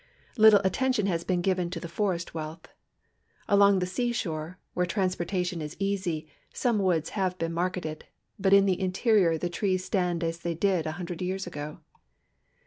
Little attention has been given to the forest wealth. Along the seashore, where transi)ortation is easy, some woods have 1>een marketed, but in the interior the trees stand as they did a hundred years ago.